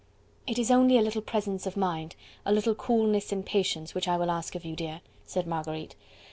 "It is only a little presence of mind, a little coolness and patience, which I will ask of you, dear," said Marguerite.